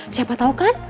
siapa tahu kan